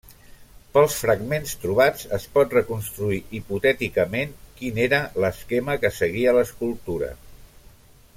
Pels fragments trobats es pot reconstruir hipotèticament quin era l'esquema que seguia l'escultura.